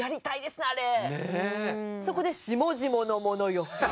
そこで「下々の者よ」。